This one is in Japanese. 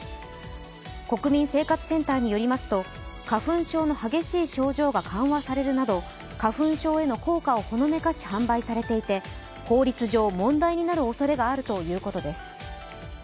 国民生活センターによりますと花粉症の激しい症状が緩和されるなど花粉症への効果をほのめかし販売していて法律上、問題になるおそれがあるということです。